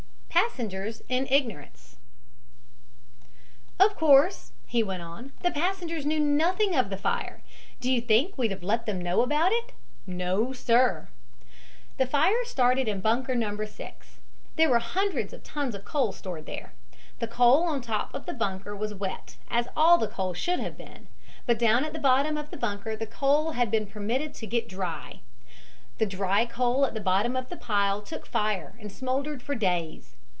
PASSENGERS IN IGNORANCE "Of course," he went on, "the passengers knew nothing of the fire. Do you think we'd have let them know about it? No, sir. "The fire started in bunker No. 6. There were hundreds of tons of coal stored there. The coal on top of the bunker was wet, as all the coal should have been, but down at the bottom of the bunker the coal had been permitted to get dry. "The dry coal at the bottom of the pile took fire, and smoldered for days.